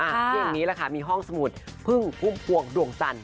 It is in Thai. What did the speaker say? เพลงนี้แหละค่ะมีห้องสมุดพึ่งพุ่มพวงดวงจันท